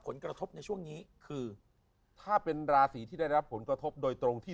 ผลกระทบในช่วงนี้คือถ้าเป็นราศีที่ได้รับผลกระทบโดยตรงที่